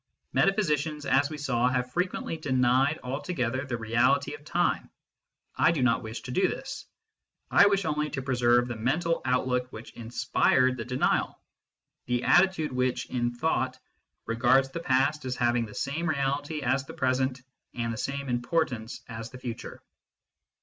Meta physicians, as we saw, have frequently denied altogether the reality of time. I do not wish to do this ; I wish only to preserve the mental outlook which inspired the denial, the attitude which, in thought, regards the past as having the same reality as the present and the same importance as the future.